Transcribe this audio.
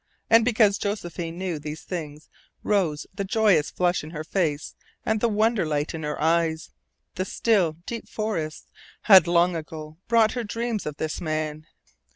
And because Josephine knew these things rose the joyous flush in her face and the wonder light in her eyes. The still, deep forests had long ago brought her dreams of this man.